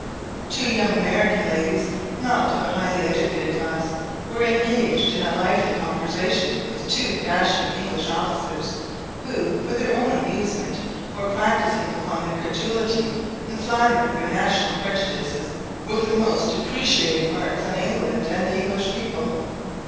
Two young American ladies, not of a highly educated class, were engaged in a lively conversation with two dashing English officers, who, for their own amusement, were practising upon their credulity, and flattering their national prejudices with the most depreciating remarks on England and the English people.